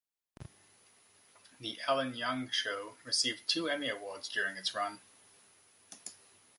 "The Alan Young Show" received two Emmy Awards during its run.